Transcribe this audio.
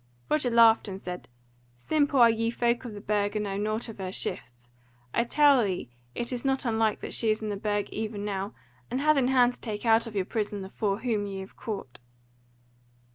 Roger laughed, and said: "Simple are ye folk of the Burg and know nought of her shifts. I tell thee it is not unlike that she is in the Burg even now, and hath in hand to take out of your prison the four whom ye have caught."